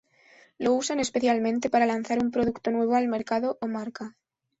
Lo usan especialmente para lanzar un producto nuevo al mercado, o marca.